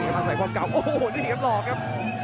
อาศัยความเก่าโอ้โหนี่ครับหลอกครับ